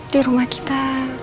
di rumah kita